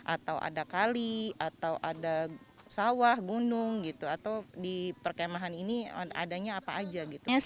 atau ada kali atau ada sawah gunung gitu atau di perkemahan ini adanya apa aja gitu